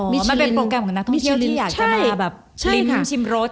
มันเป็นโปรแกรมของนักท่องเที่ยวที่อยากจะมาแบบริมชิมรส